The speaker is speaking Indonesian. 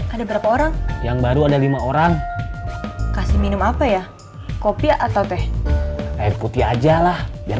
ada berapa orang yang baru ada lima orang kasih minum apa ya kopi atau teh air putih aja lah yang